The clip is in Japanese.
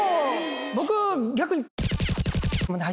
僕逆に。